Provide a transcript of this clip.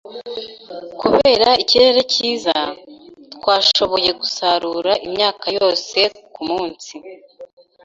Kubera ikirere cyiza, twashoboye gusarura imyaka yose kumunsi.